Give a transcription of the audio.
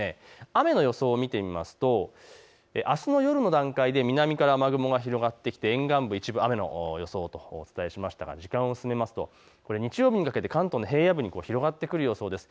雨の予想を見てみますとあす夜の段階で南から雨雲が広がってきて沿岸部、一部、雨の予想とお伝えしましたが時間を進めますと日曜日にかけて関東の平野部に広がってくる予想です。